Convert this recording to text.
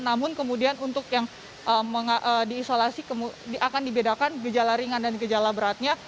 namun kemudian untuk yang diisolasi akan dibedakan gejala ringan dan gejala beratnya